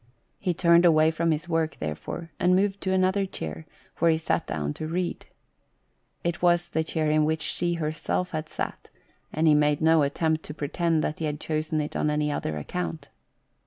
He turned away from his work, therefore, and moved to another chair, where he sat down to read. It was the chair in which she herself had sat, and he made no attempt to pretend that he had chosen it on any other account.